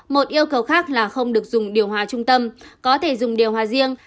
một yêu cầu khác là không được dùng điều hóa trung tâm có thể dùng điều hóa riêng